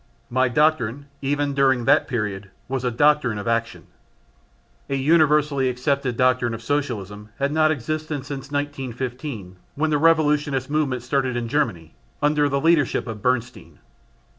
My doctrine, even during that period, was a doctrine of action. A universally accepted doctrine of Socialism had not existed since 1915 when the revisionist movement started in Germany, under the leadership of Bernstein.